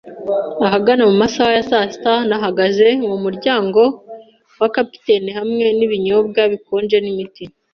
Ahagana mu masaha ya saa sita, nahagaze ku muryango wa capitaine hamwe n'ibinyobwa bikonje n'imiti.